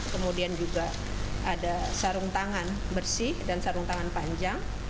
kemudian juga ada sarung tangan bersih dan sarung tangan panjang